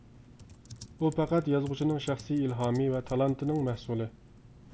ئۇ پەقەت يازغۇچىنىڭ شەخسىي ئىلھامى ۋە تالانتىنىڭ مەھسۇلى.